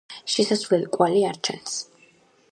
შესასვლელის კვალი არ ჩანს.